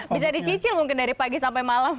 bisa dicicil mungkin dari pagi sampai malam